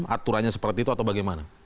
aturannya seperti itu atau bagaimana